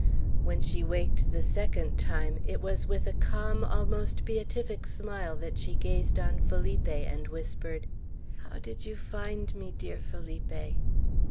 When she waked the second time, it was with a calm, almost beatific smile that she gazed on Felipe, and whispered, "How did you find me, dear Felipe?"